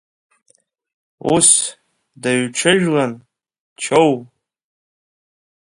Ус, дыҩҽыжәлан, чоу!